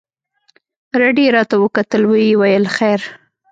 رډ يې راته وکتل ويې ويل خير.